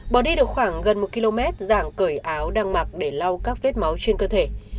bỏ đi được khoảng gần một km dạng cởi áo đang mặc để lau các vết máu trên cơ thể